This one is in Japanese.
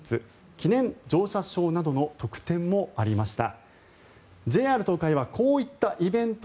記念乗車証などの特典もありました。